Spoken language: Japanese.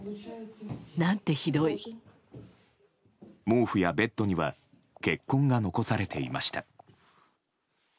毛布やベッドには血痕が残されていました。